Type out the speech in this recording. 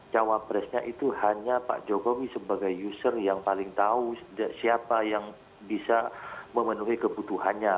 cawapresnya itu hanya pak jokowi sebagai user yang paling tahu siapa yang bisa memenuhi kebutuhannya